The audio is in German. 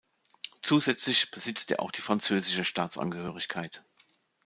Zusätzlich besitzt er auch die französische Staatsangehörigkeit.